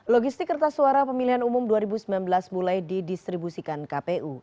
logistik kertas suara pemilihan umum dua ribu sembilan belas mulai didistribusikan kpu